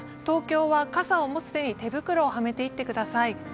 東京は傘を持つ手に手袋をはめていってください。